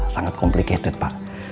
sangat komplikated pak